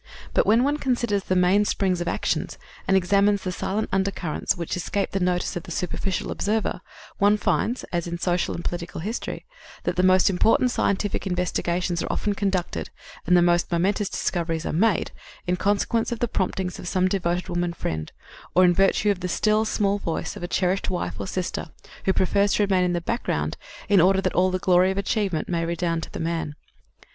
But when one considers the mainsprings of actions, and examines the silent undercurrents which escape the notice of the superficial observer, one finds, as in social and political history, that the most important scientific investigations are often conducted, and the most momentous discoveries are made, in consequence of the promptings of some devoted woman friend, or in virtue of the still, small voice of a cherished wife, or sister, who prefers to remain in the background in order that all the glory of achievement may redound to the man.